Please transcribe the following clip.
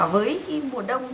với cái mùa đông